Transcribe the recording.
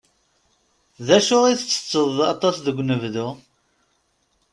D acu i ttetteḍ aṭas deg unebdu?